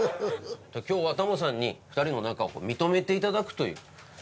今日はタモリさんに２人の仲を認めて頂くという。